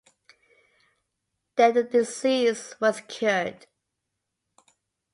Then the disease was cured.